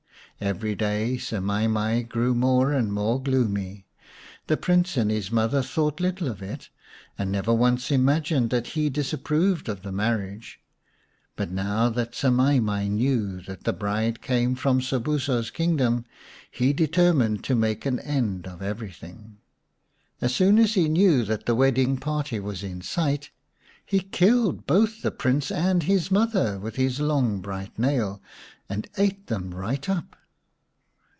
Every day Semai mai grew more and more gloomy. The Prince and his mother thought little of it, and never once imagined that he disapproved of the marriage. But now that Semai mai knew that 178 xv The Story of Semai mai the bride came from Sobuso's kingdom, he deter mined to make an end of everything. As soon as he knew that the wedding party was in sight he killed both the Prince and his mother with his long bright nail, and ate them right up.